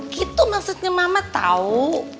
gitu maksudnya mama tau